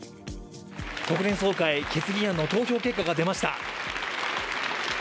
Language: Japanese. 国連総会決議案の投票結果が出ました。